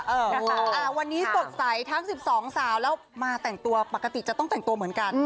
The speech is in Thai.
เออนะคะวันนี้สดใสทั้ง๑๒สาวแล้วมาแต่งตัวปกติจะต้องแต่งตัวเหมือนกัน